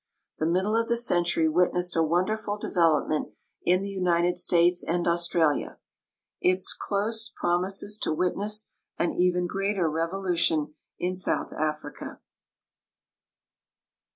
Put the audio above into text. The middle of the century witnessed a wonderful flevelopment in the United States and Australia; its close promises to witness an even greater revolution in South Africa.